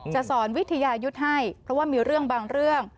สอนวิทยายุทธ์ให้เพราะว่ามีเรื่องบางเรื่อง